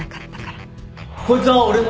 こいつは俺の